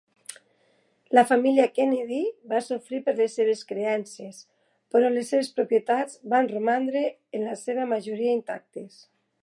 La família Kennedy va sofrir per les seves creences, però les seves propietats van romandre en la seva majoria intactes.